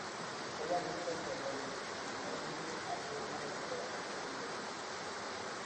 Ella busca el perdón y, finalmente, hace una recuperación completa.